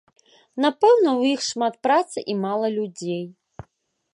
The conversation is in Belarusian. Напэўна, у іх шмат працы і мала людзей.